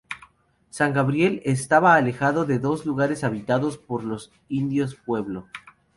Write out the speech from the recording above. San Gabriel estaba alejado de los lugares habitados por los indios pueblo.